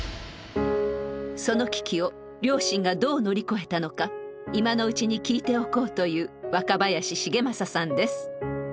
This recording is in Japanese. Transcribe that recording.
その危機を両親がどう乗り越えたのか今のうちに聞いておこうという若林繁正さんです。